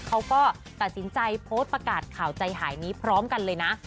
เขาก็ตัดสินใจโพสต์ประกาศข่าวใจหายนี้พร้อมกันเลยนะ